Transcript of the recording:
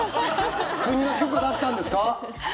国が許可出したんですか？